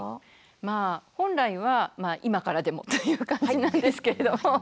まあ本来は今からでもという感じなんですけど。